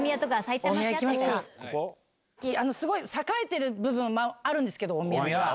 すごい栄えてる部分あるんですけど大宮は。